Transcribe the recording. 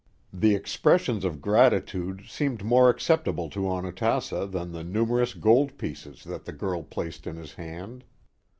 The expressions of gratitude seemed more acceptable to Onatassa than the num erous gold pieces that the girl placed in his hand.